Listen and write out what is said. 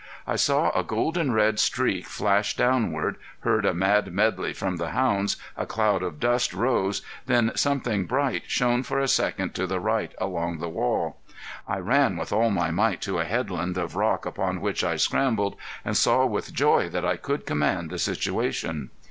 I saw a golden red streak flash downward, heard a mad medley from the hounds, a cloud of dust rose, then something bright shone for a second to the right along the wall. I ran with all my might to a headland of rock upon which I scrambled and saw with joy that I could command the situation.